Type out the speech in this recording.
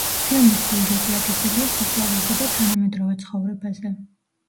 ფილმის სიუჟეტი აგებულია სიყვარულზე და თანამედროვე ცხოვრებაზე.